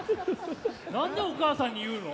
何でお母さんに言うの？